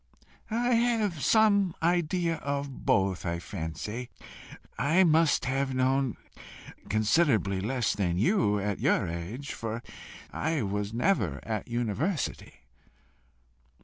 "I have some idea of both, I fancy. I must have known considerably less than you at your age, for I was never at a university."